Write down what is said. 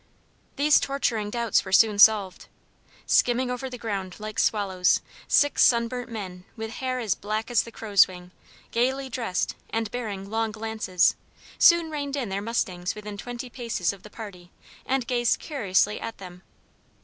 These torturing doubts were soon solved. Skimming over the ground like swallows, six sunburnt men with hair as black as the crow's wing, gaily dressed, and bearing long lances, soon reined in their mustangs within twenty paces of the party and gazed curiously at them.